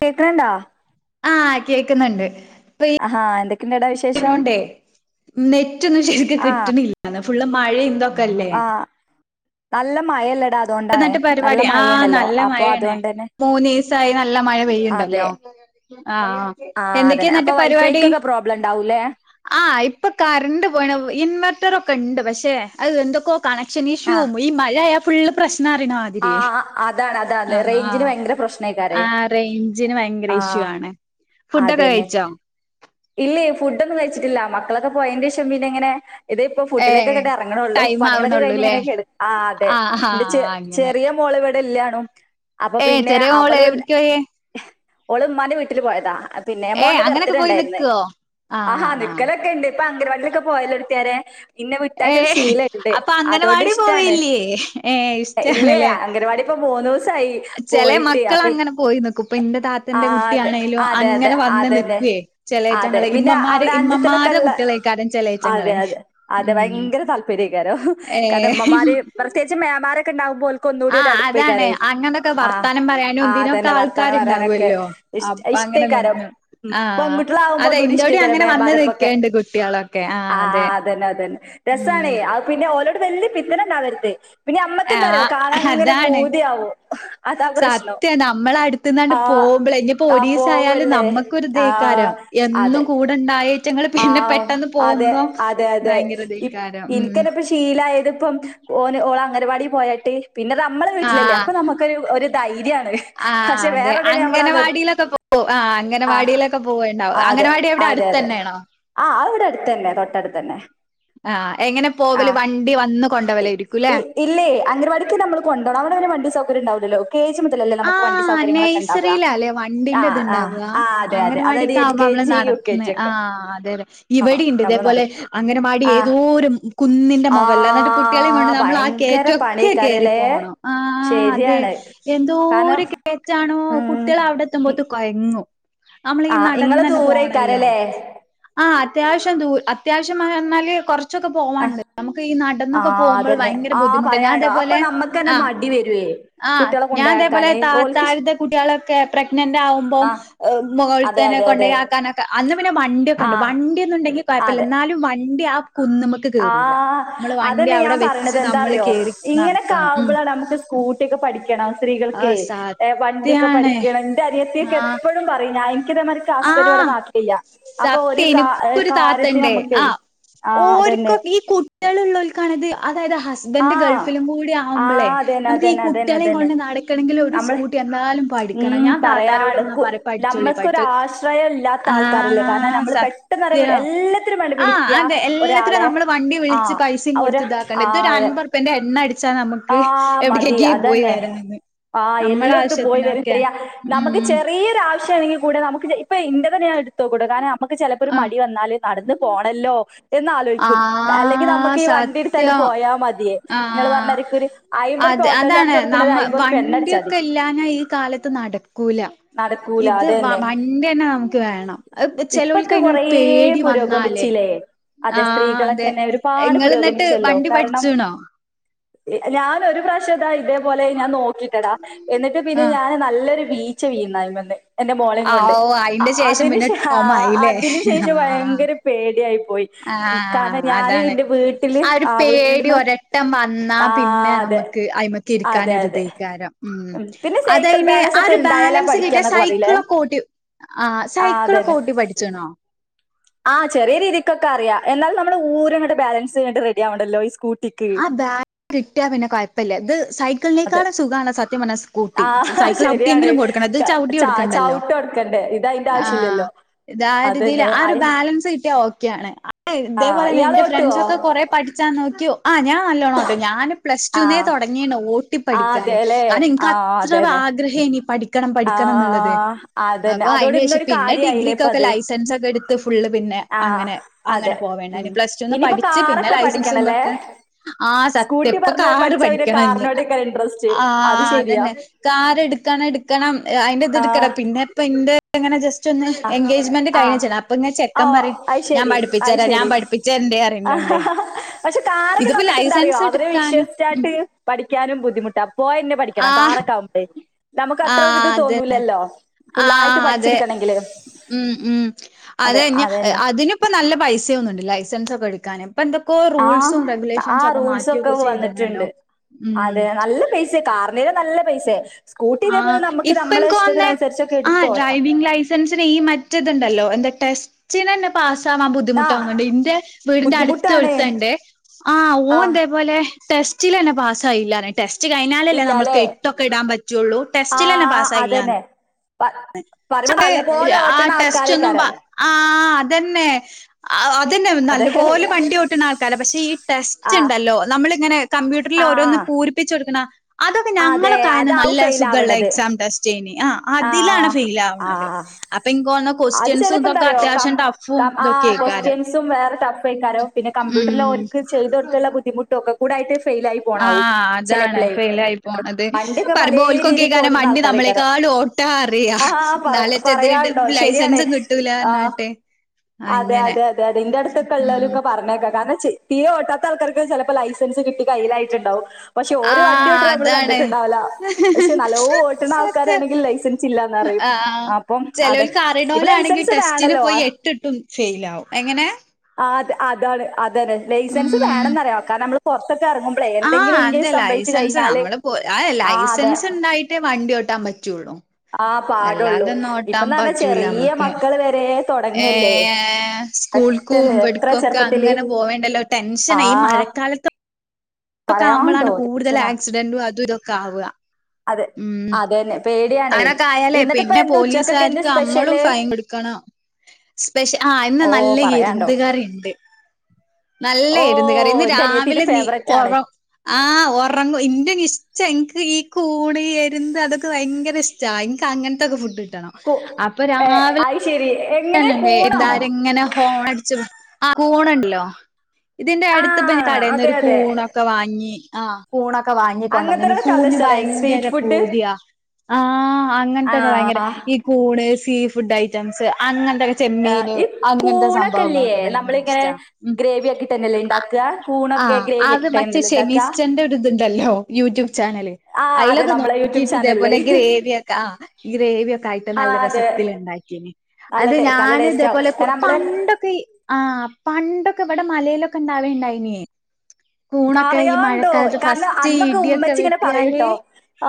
കേക്കണണ്ടാ ആഹ് കേക്കുന്നുണ്ട് ആഹ് എന്തൊക്കെയുണ്ടടാവി കൊണ്ടേ മ് നെറ്റൊന്നും ശരിക്ക് കിട്ടണിലാന്ന് ഫുള് മഴയെന്തോ ആഹ് നല്ല മഴയല്ലെടാ എന്നിട്ട് പരിപാടി ആഹ് നല്ല മഴയാണേ മൂന്നുസായി നല്ല മഴ പെയ്യുണ്ടല്ലോ ആഹ് അഹ് ആഹ് എന്തൊക്കെയാ എന്നട്ട് പരിപാടി ആഹ് ഇപ്പൊ കറണ്ട് പോണ ഇൻവെർട്ടറൊക്കെ ഉണ്ട് പക്ഷെ അത് എന്തൊക്കൊ കണക്ഷൻ ഇഷ്യൂ ഈ മഴയായ ഫുള് പ്രശ്നം അറിണ തിരികെ അള്ളാ ആഹ് റേഞ്ചിന് ഭയങ്കര ഇഷ്യു ആണേ ഫുഡൊക്കെ കഴിച്ചോ ഇല്ലെ ഫുഡ് ഒന്നും കഴിച്ചിട്ടില്ല മക്കളൊക്കെ പോയന്റെ ശേഷം പിന്നെ ഇങ്ങനെ ഇത് ഇപ്പോ ഫുഡിലേക്ക്ക് ഇറങ്ങണള്ളൂ പണികളൊക്കെ കഴിഞ്ഞ് ഇങ്ങനെക്കെ കിട് ആ അതെ ഇൻ്റെചേ മോള് ഇവിടെ ഇല്ലണും അപ്പൊ പിന്നെ അവളുല്ല ഓള് ഉമാൻ്റെ വീട്ടില് പോയതാ പിന്നെ മോന്റെ ബർത്ത്ഡേ ഉണ്ടായിരുന്നേ ആഹാ നിക്കലൊക്കെ ഉണ്ട് ഇപ്പ അംഗണവാടിലൊക്കെ പോയഒരുത്തരെ പിന്നെ വിട്ടാലൊരു ശീലണ്ട് അതോണ്ട് ഇഷ്ടാണ് ഹേ ഏ ഇല്ലേ അംഗൻവാടി ഇപ്പോ മൂന്നുസായി ചെലെ മക്കള് അങ്ങനെ പോയി നിക്കും ഇപ്പൊ എന്റെ താത്തന്റെ കുട്ടിയാണെലോ അങ്ങനെ വന്ന് നിക്കുവേ ചെലേച്ചങ്ങളെ ഇമ്മമാര് ഇമ്മമാര് കുട്ടികളേക്കാരം ചെലേച്ചങ്ങളെ ഉം കരേകരം കാരണം ഇമ്മമാര് പ്രത്യേകിച്ച് മ്യാൻമാരൊക്കെ ഉണ്ടാകുമ്പോ ഒന്നുകൂടി ഒര് അടുപ്പക്കാര് ആഹ് ആഹ് അതന്നെ വർത്താനം പറയാനൊക്കെ ഇഷ്ട ഇഷ്ടേക്കാരം ഉം പെൺകുട്ടികളാവുമ്പോ ഒന്നുകൂടെ ഇഷ്ടേകാരം മ്യാമരുടെ അടുത്തെക്കെ ആഹ് അതന്നെ അത് തന്നെ രസണെ അ പിന്നെ ഓരോട് വലിയ പിത്തന ഉണ്ടാവരുത് പിന്നെ അമ്മ ക്ക്എന്താനറിയമേ കാണാൻ ഇങ്ങനെ പൂതിയാവും അതാ പ്രശ്നം ആഹ് ആഹ് പോവല്ലേ ആഹ് അതെ ആഹ് അതെ അതെയതെ ഇപ്പ് ഇനിക്കത് പിച്ച് ഫീലായത് ഇപ്പം ഓന് ഓള് അംഗനവാടി പോയിട്ട് പിന്നെ നമ്മള് വീട്ടിലല്ലേ അപ്പം നമ്മ ക്കൊരു ഒരു ധൈര്യാണ് ആഹ് അതെ അംഗനവാടിയിലൊക്കെ പോകും ആ അംഗനവാടിയിലൊക്കെ പോവുണ്ടാവും അംഗനവാടി എവിടാ അടു തന്നെയാണോ ആഹ് ഇവിടെ അടുത്ത് തന്നെ തൊട്ടടുത്തന്നെ ആഹ് എങ്ങനെ പോവല് വണ്ടി വന്ന് കൊണ്ടോവലാരിക്കൂല്ലേ ഇല്ലേ അംഗനവാടിക്ക് നമ്മള് കൊണ്ടോണം അവിട അങ്ങന വണ്ടി സൗകര്യം ഇണ്ടാവില്ലല്ലോ കെ ജി മുതലല്ലേ നമുക്ക് വണ്ടി സൗകര്യങ്ങളൊക്കെ ഉൾഇണ്ടാവ ആഹ് ആഹ് അതെ അതെ അതായത് എൽ കെ ജി യു ആഹ് അതെ അതെ ഇവിടെ ഉണ്ട് ഇതേപോലെ അംഗനവാടി ഏതോ ഒരു കുന്നിന്റെ മുകളില് എന്നിട്ട് കുട്ടികളെ കൊണ്ട് നമ്മള് ആ കേറ്റ ക്കെ കേറി പോണം ആഹ് അതെ എ ദൂര കേറ്റാണോ കുട്ടികള് അവിടെ എത്തുമ്പോത്ത് കൊഴങ്ങും നമ്മളീ നടന്നന്നെ പോണല്ലോ ആ അത്യാവശ്യം ദൂ അത്യാവശ്യം എന്നാല് കുറ ച്ചൊക്കെ പോവാണ്ട് നമുക്ക് ഈ നടന്നൊക്കെ പോമ്പോൾ ഭയങ്കര ബുദ്ധിമുട്ട് ഞാൻ അതേപോലെ ആ ആഹ് ഞാൻ അതേപോലെ ത താഴത്തെ കുട്ടികളൊക്കെ പ്രഗ്നന്റ് ആകുമ്പോം മോൾത്തേനെ കൊണ്ടോയി ആക്കാനൊക്കെ അന്ന് പിന്നെ വണ്ടിയൊക്കെ ഉണ്ട് വണ്ടിന്നുണ്ടെങ്കിൽ കൊയപ്പില്ല എന്നാലും വണ്ടി ആ കുന്ന്മ്മേ ആഹ് അതന്നെ ഞാൻ പറയണത് എന്താറിയോ ഇങ്ങനെക്കാവുമ്പോളാ നമുക്ക് കൂട്ടിക്കെ പഠിക്കണം സ്ത്രീകൾക്കെ വണ്ടിയൊക്കെ പഠിക്കണം എന്റെ അനിയത്തൊക്കെ എപ്പഴും പറയിഞ്ഞാ എനിക്കിതേമാരി ന്റെ ഹസ്ബന്റിവിടെ നാട്ടിലില്ല അപ്പൊ ഒരു കാ കാര്യത്തിന് നമുക്കേ ഓരുക്കു ഈ കുട്ടിയോളിള്ളോൽക്കാണ്ത് അതായത് ഹസ് ബന്റ് ഗൾഫിലും കൂടി ആവുമ്പോളേ നമുക്ക് ഈ കുട്ടികളെ കൊണ്ട് നടക്കണങ്കിൽ ഒരു സ്കൂ കുട്ടി എന്നാലും പഠിക്കണം ഞാൻ താത്താരോട് പറേം പഠിച്ചോളി പഠിച്ചോളി [unintelligible] ഇല്ലാത്ത ആൾക്കാരില്ലേ കാരണം നമ്മള് പെട്ടന്ന് അവരെ വിളി എല്ലാത്തിനും വേണ്ടി വിളിക്കാ ഒരാളെ ആഹ് ഒര് ആ ഒരു ഇപ്പ എന്റെ എണ്ണ അടിച്ചാ നമുക്ക് എവിട്ക്കേക്കേ പോയി വെരാന്ന് ആഹ് എല്ലോട്ത്തും പോയി വെരും ചെയ്യാം നമുക്ക് ചെറിയൊരു ആവശ്യാണെങ്കിൽ കൂടെ നമു പിന്നെ ഇപ്പൊ ഇന്റെ തന്നെ ഞാൻ എടുത്ത് നോക്കൂടോ കാരണം നമുക്ക് ചെലപ്പ ഒരു മടി വന്നാല് നടന്ന് പോണല്ലോ എന്ന് ആലോചിക്കും അല്ലെങ്കി നമ്മക്ക് ഈ വണ്ടി എടുത്താണ്ട് പോയാ മതിയേ നിങ്ങള് പറഞ്ഞത് ക്കല് അയ്മ്പറുപ്യാ ഓട്ടോ ചാർജ് കൊടുക്കണ്ടത് അയ്മ്പറുപ്യാ എണ്ണ അടിച്ചാതി നടക്കൂല അതേന്നെ ഇപ്പൊക്കെ കൊറേ പുരോഗമി ച്ചീലേ അതെ സ്ത്രീകളക്കെന്നെ ഒരുപാട് പുരോഗമിച്ചല്ലോ കാരണം ണോ പിന്നെ ഞാൻ ഒരു പ്രാവശ്യം ദാ ഇതേപോലെ ഞാൻ നോക്കിട്ടടാ എന്നിട്ട് പിന്നെ ഞാൻ നല്ലൊരു ബീ ച്ച് വീന്നാൽ മെല്ലെ എന്റെ മോളേം കൊണ്ട് അ അതിനു ശേ ഹാ അതിന് ശേഷം ഭയങ്കര പേടിയായി പോയി ആഹ് അതാണ് ആ ഒരു പേടി ഒര ട്ടം വന്നാ പിന്നെ നമ്മക്ക് അയിമക്കെ ഇരിക്കാൻ ഒരു ധികാരം ഉം അത് അയിന് ആ ഒരു ബാലൻസ് കിട്ടിയ സൈക്കിളൊക്കെ ഓട്ടി ആഹ് സൈക്കിളൊക്കെ ഓട്ടി പഠി ച്ചണോ ആഹ് ചെറിയ രീതിക്കൊക്ക അറിയാം എന്നാലും നമ്മള് ഊരങ്ങട് ബാലൻസ് [unintelligible] റെഡി ആവണ്ടല്ലോ ഈ സ്കൂട്ടിക്ക് ആഹ് ബാ കിട്ടിയാ പിന്നെ കൊഴപ്പില്ല ഇത് സൈ ക്കിൾനേക്കാളും സുഖാണ് സത്യം പർഞ്ഞാ സ്കൂട്ടി ച് സൈക്കിൾ ചവിട്ടിയെങ്കിലും കൊടുക്കണം ഇത് ചവിട്ടി കൊടുക്കണ്ടല്ലോ ക്കണ്ടേ ഇത് അയിന്റെ ആവശ്യം ഇല്ലല്ലോ ഇതാ രീതിയിൽ ആ ഒരു ബാലൻസ് കിട്ടിയാ ഓക്കെയാണ് അത് ഇതേപോലെ തന്നെ എന്റെ ഫ്രണ്ട്സ് ഒക്കെ കൊറേ പഠിച്ചാൻ നോക്കി ആഹ് ഞാൻ നല്ലോണം ഓട്ടും ഞാന് പ്ലസ്ടൂ ന്നേ തൊടങ്ങിണ് ഓ ട്ടി പഠിക്കാന് കാനം എനിക്ക് അത്ര ആഗ്രഹേനീ പഠി ക്കണം പഠിക്കണം ന്നുള്ളത് അപ്പൊ അയിന്റെ ഏഷം പിന്നെ ഡിഗ്രിക്കൊക്കെ ലൈസൻസ് ഒക്കെ എടുത്ത് ഫുള്ള് പിന്നെ അങ്ങനെ അങ്ങനെ പോവേണ്ടയ്ന് പ്ലസ്ടു ന്ന് പഠിച്ച് പിന്നെ ലൈസൻസു ഇതൊക്കെ ആഹ് സത്യം ഇപ്പൊ കാറ് പഠിക്കണം ഇഞ് ആ അതന്നെ കാർ എടുക്കണം എടുക്കണം അയിന്റെ ഇത് എടുക്കട പിന്നെ ഇപ്പ ഇന്റെ എങ്ങനെ ജസ്റ്റ് ഒന്ന് എൻഗേജ്മെന്റ് കഴിഞ്ഞച്ച അപ്പൊ ഞാ ചെക്കൻ പറയും ഞാൻ പഠിപ്പിച്ചരാ ഞാൻ പഠിപ്പിച്ചര്ൻ്റ് അറിഞ്ഞോട് പക്ഷെ കാരകെ നമുക്കെന്താറിയോ അവര് വിശ്വസിച്ചായിട്ട് പഠിക്ക്യാനും ബുദ്ധിമുട്ട് അപ്പോ എന്നെ പഠി ക്കണം കാറൊക്കെ ആകുമ്പേ നമുക്ക് അത്ര ഒരിത് തോന്നൂല്ലല്ലോ ഫുള്ളായിട്ട് പഠിച്ചെടുക്കണെങ്കില് ഉം ഉം അതന്ന അതിനി ഇപ്പൊ നല്ല പൈസേ ഓന്ന്ണ്ട് ലൈസൻസ് ഒക്കെ എടുക്കാന് ഇപ്പ എന്തൊക്കോ റൂൾസും റെഗുലേഷൻസ് ഒക്കെ മാറ്റിയൊക്കെ ചെയ്ത്ണല്ലോ ഉം ഉം പൈസ കാറിനരെ നല്ല പൈസേ സ്കൂട്ടി ഇതേപോലെ നമുക്ക് നമ്മളെ ഇഷ്ടത്തിനുസരിച്ചൊക്കെ എടുത്തോട്ടാം സൻസിന് ഈ മറ്റേതുണ്ടല്ലോ എന്താ ടെസ്റ്റിനന്നെ പാസാവാൻ ബു ദ്ധിമുട്ടാവുന്നുണ്ട് ഇന്റെ വീടിന്റെ അടുത്ത് ഒരുത്തണ്ട് ആഹ് ഓൻ തേ പോലെ ടെസ്റ്റിലന്നെ പാസ്സായില്ല ടെസ്റ്റ് കഴിഞ്ഞാലല്ല നമ്മക്ക് എട്ടൊക്കെ ഇടാൻ പറ്റ റ്റുള്ളു ടെസ്‌റ്റ്‌ലന്നെ പാസ് ആയില്ലാ പ ആഹ് ടെസ്റ്റ് ഒന്നും ആഹ് അതന്നെ അ [unintelligible] അതന്നെ നല്ലപോലെ വണ്ടി ഓട്ടുന്ന ആൾക്കാര പക്ഷെ ഈ ടെസ്റ്റ് ഇണ്ടല്ലോ നമ്മളിങ്ങനെ കമ്പ്യൂട്ടറിൽ ഓരോന്ന് പൂരിപ്പിച്ച് കൊടുക്കണ അതൊക്കെ ഞങ്ങളൊക്കെ ആയന്ന് നല്ല സുഖള്ള എക്സാം ടെസ്റ്റ് ചേനി ആ ആഹ് ആഹ് അത് ചെലേപ്പം എന്താറിയോ കമ്പ്യൂ ആ ക്വസ്റ്റ്യൻസും വേറെ ടഫെയ്ക്കാരം പിന്നെ കമ്പ്യൂട്ടറിൽ ഓർക്ക് ചെയ്ത് കൊടുത്തുള്ള ബുദ്ധിമു ട്ട് ഒക്കെ കൂടെ ആയ്ട്ട് ഫെയ്ൽ ആയി പോണാവൂ ചെലേപ്പളെ പണ്ടിയൊക്കെ പലേ രീതിക്കും ഓട്ടുന്ന ആൾക്കാരേക്കാരം ആഹ് പറ പറയാൻണ്ടോ ശരിയാണ് ആഹ് അതെ അതെ അതെ അതെ ഇന്റെ അടുത്തൊക്കെല്ലോലൊക്കെ പറഞ്ഞേക്കാ കാരണം തീരെ ഓട്ടാത്ത ആൾക്കാർക്ക് ചെലപ്പോ ലൈസൻസ് കിട്ടി കയ്യിലായിട്ടുണ്ടാവും പക്ഷെ ഓര് വണ്ടി ഓട്ട്ണ നമ്മള് കണ്ടിട്ടുണ്ടാവില്ല പക്ഷെ നല്ലോ ഓട്ട്ണ ആൾക്കാരാണെ ലൈസൻസ് ഇല്ലന്ന അറിയും അപ്പം അത് ഇപ്പൊ ലൈസൻസ് വേണല്ലോ ഫെയില് ആവും എങ്ങനെ ആത് അതാണ് അതന്നെ ലൈസൻസ് വേണന്നറിയാം കാരണം നമ്മള് പൊർത്തൊക്കെ എറങ്ങുമ്പളേ എന്തെങ്കിലും ഇൻകേസ് സംഭവിച്ചു കഴിഞ്ഞാല് ആഹ് അതെ [unintelligible] വണ്ടി ഓട്ടാൻ പറ്റുള്ളു അല്ലാതെന്നും ഓട്ടാൻ പറ്റൂല മ്മക്ക് [unintelligible] വരേ ഏഹ് സ്കൂൾക്കും ഇബട്ക്കും ഒക്കെ അങ്ങനെ പോവേണ്ടല്ലോ ടെൻഷനാ ഈ മഴക്കാലത്ത് ഇതൊക്കെ ആകുമ്പളാണ് കൂടുതൽ ആക്സിഡന്റും അതും ഇതൊക്കാവ അതെ അതെന്നെ [unintelligible] അങ്ങനൊക്കെ ആയാലേ പിന്നെ പോലീസുകാർക്ക് അമ്മളും ഫയ്ൻ കൊടുക്കണം സ്പെഷ്യൽ ആ ഇന്ന് നല്ല യെരുന്തു കറി ഉണ്ട് നല്ലയായിരുന്നു കറി ഇന്ന് രാവിലെ നീ [unintelligible] [unintelligible] [unintelligible] അതൊക്കെ ഭയങ്കര ഇഷ്ട എനിക്ക് അങ്ങനത്തൊക്കെ ഫുഡ് കിട്ടണം [unintelligible] ഏഹ് അയി ശരി ഏഹ് [unintelligible] ഇങ്ങനെ ഹോണടിച്ച ആഹ് ഹോണുണ്ടല്ലോ ഇതിന്റെ അടുത്തിപ്പ കടയിന്നൊരു കൂണൊക്കെ വാങ്ങി ആഹ് കൂണൊക്കെ വാങ്ങിക്കൊണ്ട് വന്ന് ഇനി കൂണിന് ഭയങ്കര പൂതിയ ആഹ് അങ്ങനത്തൊക്കെ ഭയങ്കര ഈ കൂണ് സീ ഫുഡ് ഐറ്റംസ് അങ്ങനത്തെക്കെ ചെമ്മീന് അങ്ങനത്തെ സംഭവങ്ങളൊക്കെ ഭയങ്കര ഇഷ്ടാ ഉം ആഹ് അത് മറ്റേ ഷെമീസ്റ്റന്റെ ഒര് ഇതുണ്ടല്ലോ യൂട്യൂബ് ചാനല് അയിലൊക്കെ നോക്കിട്ട് ഇതേപോലെ ഗ്രേവിയൊക്കെ ആഹ് ഈ ഗ്രേവി ഒക്കെ ആയിട്ട് നല്ല രസത്തില് ഉണ്ടാക്കിന് അത് ഞാന് ഇതേപോലെ പണ്ടൊക്കെ ആഹ് പണ്ടൊക്കെ ഇവിടെ മലയിലൊക്കെ ഇണ്ടാവേണ്ടായിനേ പറയാണ്ടോ കാരണം അന്നൊക്കെ ഉമ്മച്ചി ഇങ്ങനെ പറയുട്ടോ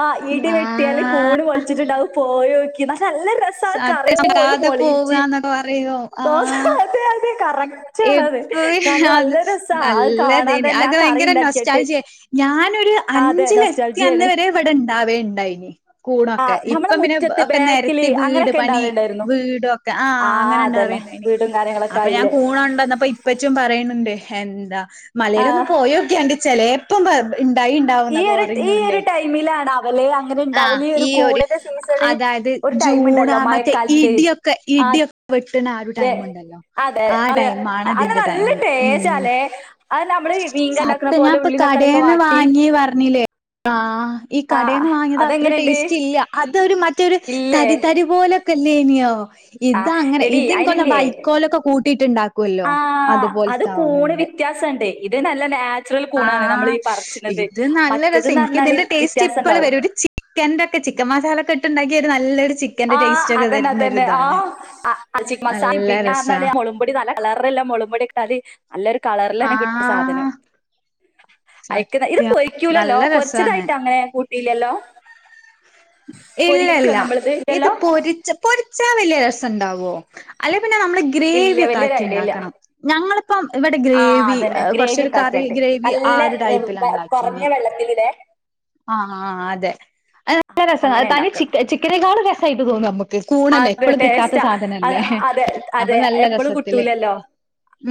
ആഹ് ഇടി വെട്ടിയാല് കൂണ് പൊളിച്ചിട്ടുണ്ടാവും പോയ്നോക്കിന നല്ല രസ സ്റ്റാറ്റസ് ഇടാതെ പോകുവാന്ന് പറയോ ആഹ് ഇപ്പഴേ അത് നല്ല [unintelligible] അത് ഭയങ്കര നൊസ്റ്റാൾജിയ ഞാനൊരു അഞ്ചിലെത്തി അന്ന് വരെ ഇവിടെ ഇണ്ടാവേണ്ടായിനി കൂണൊക്കെ ഇപ്പ പിന്നെ ഒക്കെ നേര വീട് പണി വീട് ഒക്കെ ആഹ് അങ്ങനെ ഉണ്ടാവേനെനി അപ്പൊ ഞാൻ കൂ കൂണ്‌ കൊണ്ടന്നപ്പം ഇപ്പച്ചിയും പറയണുണ്ട് എന്താ മലയിലൊന്നും പോയി നോക്കാണ്ട് ചില എപ്പം ഉണ്ടായി ഉണ്ടാവ് എന്നൊക്കെ പറഞ്ഞോണ്ടേ [unintelligible] അങ്ങനെ ഇണ്ടാവല് ഒരു കൂണിന്റെ സീസണി ഒരു ടൈമ് ഉണ്ടല്ലോ മഴക്കാലത്ത് ക്കെ ഇടിയൊക്കെ വെട്ടണ ആ ഒരു ടൈമുണ്ടല്ലോ ആ ടൈമാണ് ഇതിന്റെ ടൈമ് ഉം ഉം സത്യം ഞാനിപ്പൊ കടയിന്ന് വാങ്ങി പറഞ്ഞില്ലേ ആഹ് ഈ കടയിന്ന് വാങ്ങിയത് അത്ര ടേസ്റ്റ് ഇല്ല അതൊരു മറ്റൊരു തരി തരി പോലെ നിയോ ഇത് അങ്ങനെ ഇത് എനിക്കോന്ന് വൈക്കോലൊക്കെ കൂട്ടിയിട്ട്ണ്ടാക്കും ക്കല്ലോ അതുപോലത്ത ആവുന്നുണ്ട് വ്യത്യാസം ഉണ്ട് ഇത് നല്ല നാ ആഹ് ഇത് നല്ല രസം എനിക്ക് ഇതിന്റെ ടേസ്റ്റ് ഇപ്പഴും വരും ഒരു ച്ചി ചിക്കന്റെ ഒക്കെ ചിക്കൻ മസാലൊക്കെ ഇട്ടുണ്ടാക്കി ഒരു നല്ലൊരു ചി ആഹ് അതന്നെ അതന്നെ ആഹ് [unintelligible] നല്ലൊരു കളറില് തന്നെ കിട്ട ആഹ് അയക്കുന്ന ഇത് പൊരിക്കൂലല്ലോ പൊരിച്ചതായിട്ട് അങ്ങനെ കൂട്ടിയില്ലല്ലോ പൊരിക്കോ നമ്മളിത് ഇത് പൊരിച്ച പൊരിച്ചാൽ വല്ല്യ രസം ഉണ്ടാവോ അല്ലെ പിന്നെ നമ്മള് ഗ്രേവി ഒക്കെ ആക്കി ഉണ്ടാക്കണം ഞങ്ങളിപ്പം ഇവിടെ ഗ്രേവി കുറച്ച് ഒരു ക ഗ്രേവി ആഹ് ഒരു ടൈപ്പില ഉണ്ടാക്കിനെ ആഹ് ആഹ് അതെ നല്ല രസം തനി ചി ചിക്കനേക്കാളും രസമായിട്ട് തോന്നും നമ്മുക്ക് കൂണല്ലേ എപ്പോഴും കിട്ടാത്ത സാധനം അല്ലേ അതെ അതെ എപ്പോഴും കിട്ടൂലല്ലോ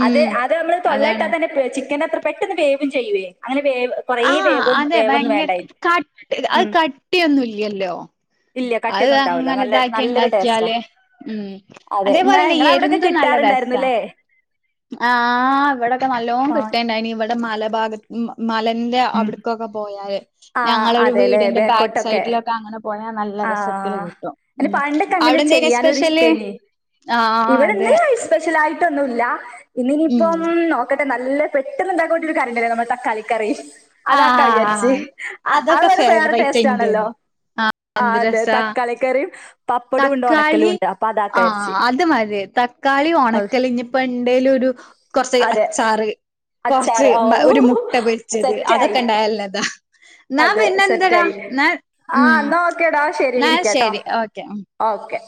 അത് അത് നമ്മളു തൊള്ളെ ഇട്ട തന്നെ ചിക്കന്റെ അത്ര പെട്ടെന്ന് വേവും ചെയ്യുവേ അങ്ങനെ വേവ് ആ അതെ ഭയങ്കര ക ട്ട് അത് കട്ടിയൊന്നും ഇല്ല്യല്ലോ അത് അങ്ങനെ ഇതാക്കി ഇണ്ടാക്കിയാലേ ഉം അതേ പോലെന്നെ എ ടൊക്ക കിട്ടാറുണ്ടായിരുന്നു ലെ ആ ഇവടക്ക നല്ലോം കിട്ടെണ്ടായിനി ഇവടെ മല ഭാഗ മ മലന്റെ അവ്ട്ക്കൊക്ക പോയാല് ഞങ്ങളൊരു വീടിന്റെ ബാക്ക് സൈഡിലൊക്ക അങ്ങനെ പോയാ നല്ല രസത്തില് കിട്ടും ഉം അവ്ടെന്തേനി സ്പെഷ്യല് ആ അതെ സ്പെഷ്യലായിട്ടൊന്നു ഇല്ല ഇന്ന് ഇനിയിപ്പം നോ ക്കട്ടെ നല്ല പെട്ടെന്ന് ഇണ്ടാക്കാം പറ്റ്ണ ഒരു കറിണ്ടല്ലോ നമ്മളെ തക്കാളികറി അതാക്ക വിചാരിച് അ അത് വരെ വേറെ ടേസ്റ്റ് ആണല്ലോ അന്ത് രസ തക്കാളി ആ അത് മതി ത ക്കാളി ഒണക്കല് ഇഞ് ഇപ്പ എന്തേലു ഒരു കൊർച്ച് അച്ചാറ് കൊർച്ച് മ ഒരു മുട്ട പൊര്ച്ചത് അതക്ക ഇണ്ടായാലൻനതാ ന്നാ പിന്നെ എന്തടാ ന്നാ ആ ന്ന ഓക്കേ ടാ ശരി വിളിക്കാട്ടോ ഓക്കെ